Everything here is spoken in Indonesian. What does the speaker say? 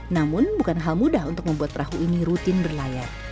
namun bukan hal mudah untuk membuat perahu ini rutin berlayar